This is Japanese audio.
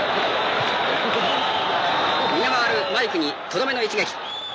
逃げ回るマイクにとどめの一撃。